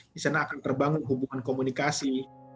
di sana akan terbangun hubungan komunikasi